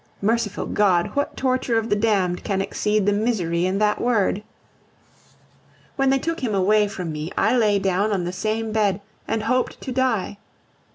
Merciful God! what torture of the damned can exceed the misery in that word? When they took him away from me, I lay down on the same bed and hoped to die.